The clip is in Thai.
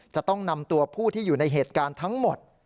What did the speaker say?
จะต้องนำตัวผู้ที่อยู่ในเหตุการณ์ทั้งหมด